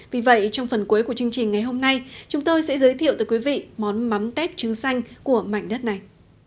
vì vậy trong phần cuối của chương trình ngày hôm nay chúng tôi sẽ giới thiệu tới quý vị món mắm tép trứng xanh của mảnh đất này